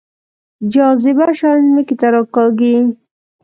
جاذبه شیان ځمکې ته راکاږي